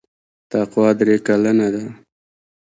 تقوا درې کلنه ده.